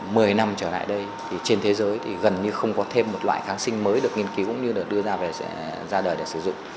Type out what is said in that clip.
mười năm trở lại đây thì trên thế giới thì gần như không có thêm một loại kháng sinh mới được nghiên cứu cũng như được đưa ra đời để sử dụng